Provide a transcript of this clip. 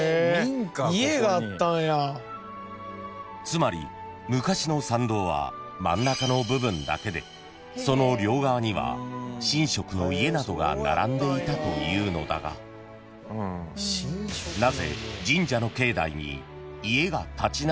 ［つまり昔の参道は真ん中の部分だけでその両側には神職の家などが並んでいたというのだが］があったんですね。